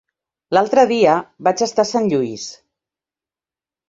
L'altre dia vaig estar a Sant Lluís.